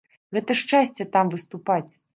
Гэта шчасце там выступаць.